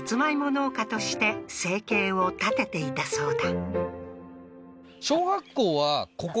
農家として生計を立てていたそうだ